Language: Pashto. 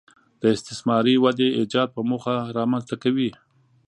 د استثماري ودې ایجاد په موخه رامنځته کوي